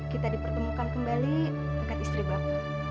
kita dipertemukan kembali dekat istri bapak